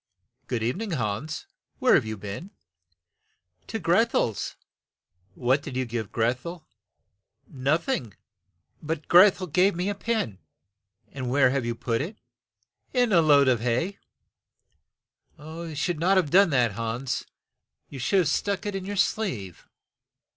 "Good eve ning, Hans. Where have you been ?" "To Greth el's. "" What did you give Greth el ?'' 90 CLEVER HANS "Noth ing, but Greth el gave me a pin." ''And where have you put it?" "In the load of hay." "You should not have done that, Hans ; you should have stuck it in your sleeve.